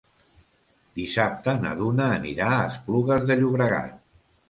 Dissabte na Duna anirà a Esplugues de Llobregat.